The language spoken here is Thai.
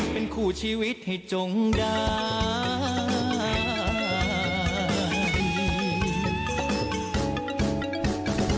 เป็นคู่ชีวิตให้จงได้